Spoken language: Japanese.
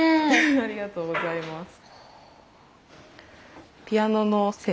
ありがとうございます。